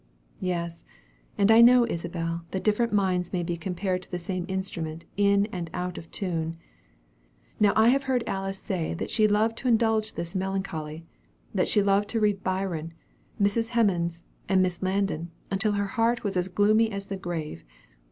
"Yes; and I know, Isabel, that different minds may be compared to the same instrument in and out of tune. Now I have heard Alice say that she loved to indulge this melancholy; that she loved to read Byron, Mrs. Hemans, and Miss Landon, until her heart was as gloomy as the grave.